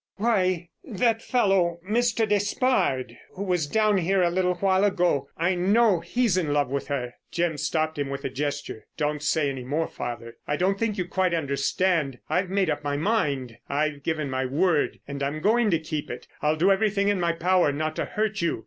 "Why, that fellow, Mr. Despard, who was down here a little while ago, I know he's in love with her——" Jim stopped him with a gesture. "Don't say any more, father. I don't think you quite understand. I've made up my mind. I've given my word and I'm going to keep it. I'll do everything in my power not to hurt you.